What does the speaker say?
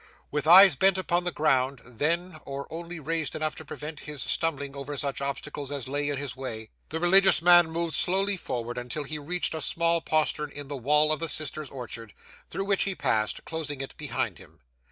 'With eyes bent upon the ground, then, or only raised enough to prevent his stumbling over such obstacles as lay in his way, the religious man moved slowly forward until he reached a small postern in the wall of the sisters' orchard, through which he passed, closing it behind him.